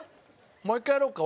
もう１回やろうか。